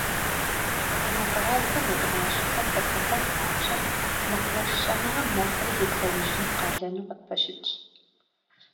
Хамэ къэралхэм едгъашэхэм хэдгъэхъуэн папщӏэ, мэкъумэш щӏэныгъэм нэхъри зедгъэужьыну къалэну къытпэщытщ.